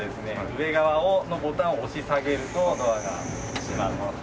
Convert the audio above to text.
上側のボタンを押し下げるとドアが閉まります。